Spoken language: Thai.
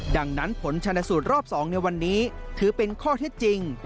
ดังนั้นผลชนสูตรรอบ๒ในวันนี้ถือเป็นข้อเท็จจริง